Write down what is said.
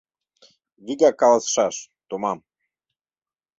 Вигак каласышаш: томам.